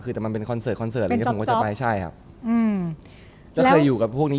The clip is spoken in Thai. คือแต่มันเป็นคอนเสิร์ตคอนเสิร์ตใช่ครับอืมแล้วเคยอยู่กับพวกนี้